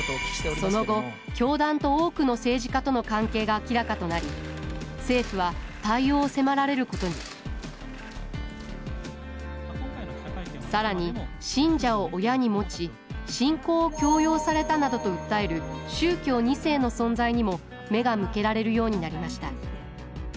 その後教団と多くの政治家との関係が明らかとなり政府は対応を迫られることに更に信者を親に持ち信仰を強要されたなどと訴える宗教２世の存在にも目が向けられるようになりました。